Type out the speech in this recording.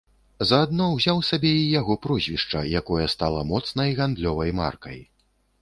Заадно ўзяў сабе і яго прозвішча, якое стала моцнай гандлёвай маркай.